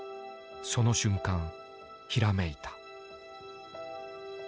その瞬間ひらめいた。